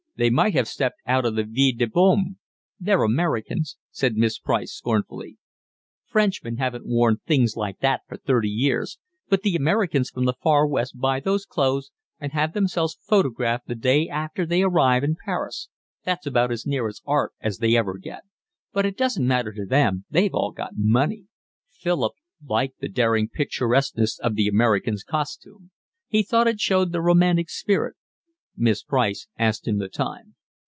"They might have stepped out of the Vie de Boheme." "They're Americans," said Miss Price scornfully. "Frenchmen haven't worn things like that for thirty years, but the Americans from the Far West buy those clothes and have themselves photographed the day after they arrive in Paris. That's about as near to art as they ever get. But it doesn't matter to them, they've all got money." Philip liked the daring picturesqueness of the Americans' costume; he thought it showed the romantic spirit. Miss Price asked him the time.